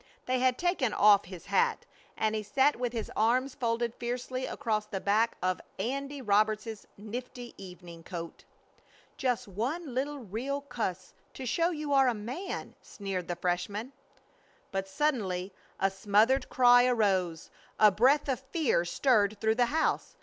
They had taken off his hat and he sat with his arms folded fiercely across the back of "Andy" Roberts's nifty evening coat. "Just one little real cuss to show you are a man," sneered the freshman. But suddenly a smothered cry arose. A breath of fear stirred through the house.